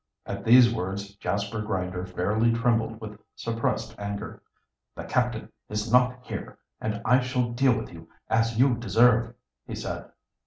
At these words Jasper Grinder fairly trembled with suppressed anger. "The captain is not here, and I shall deal with you as you deserve," he said.